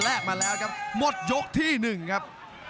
และมาแล้วครับหมดยกที่หนึ่งครับ